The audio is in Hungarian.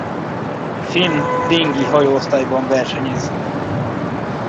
Finn dingi hajóosztályban versenyez.